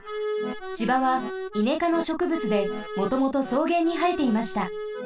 芝はイネかのしょくぶつでもともとそうげんにはえていました。